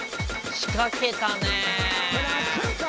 仕掛けたね！